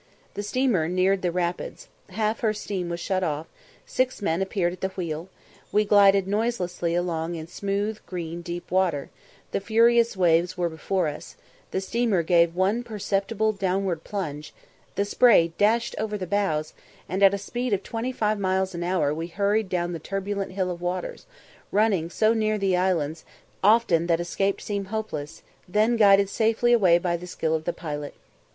The steamer neared the rapids half her steam was shut off six men appeared at the wheel we glided noiselessly along in smooth, green, deep water the furious waves were before us the steamer gave one perceptible downward plunge the spray dashed over the bows and at a speed of twenty five miles an hour we hurried down the turbulent hill of waters, running so near the islands often that escape seemed hopeless then guided safely away by the skill of the pilot.